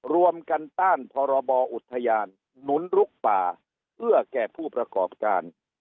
รวมกันต้านพรบอุทยานหนุนลุกป่าเอื้อแก่ผู้ประกอบการ